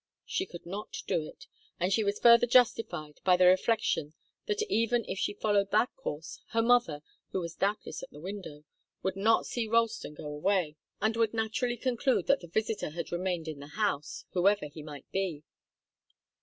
She could not do it, and was further justified by the reflection that even if she followed that course, her mother, who was doubtless at the window, would not see Ralston go away, and would naturally conclude that the visitor had remained in the house, whoever he might be.